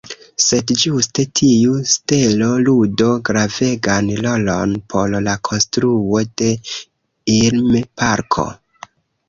Sed ĝuste tiu "stelo" ludo gravegan rolon por la konstruo de Ilm-parko.